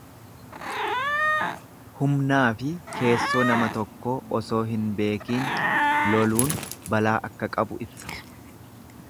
Humnaafi keessoo nama tokkoo osoo hin beekiin loluun balaa akka qabu ibsa.